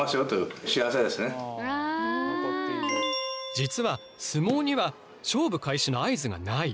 実は相撲には勝負開始の合図がない。